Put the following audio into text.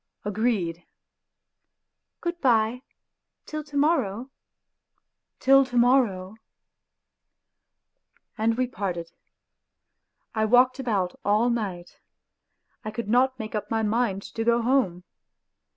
" Agreed." " Good bye till to morrow !"" Till to morrow !" And we parted. I walked about all night ; I could not make up my mind to go home.